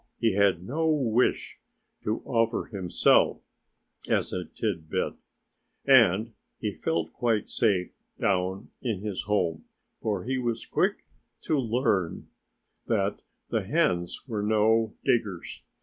He had no wish to offer himself as a tidbit. And he felt quite safe down in his home, for he was quick to learn that the hens were no diggers.